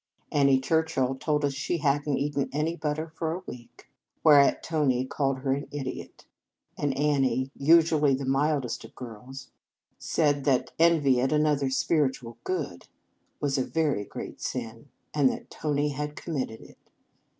Annie Churchill told us she had n t eaten any butter for a week ; whereat Tony called her an idiot, and Annie usually the mildest of girls 189 In Our Convent Days said that " envy at another s spirit ual good " was a very great sin, and that Tony had committed it.